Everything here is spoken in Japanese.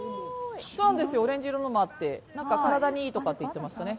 オレンジ色のもあって体にいいって言ってましたね。